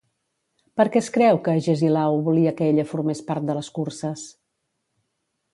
Per què es creu que Agesilau volia que ella formés part de les curses?